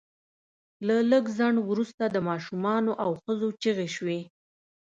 له لږ ځنډ وروسته د ماشومانو او ښځو چیغې شوې